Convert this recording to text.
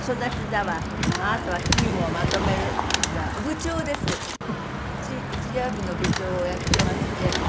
チア部の部長をやってまして。